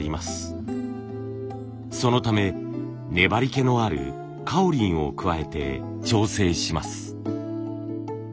そのため粘りけのあるカオリンを加えて調整します。